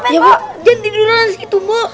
eh cuman aduh kagum